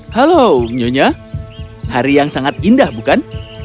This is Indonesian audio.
halo nyonya hari yang sangat indah bukan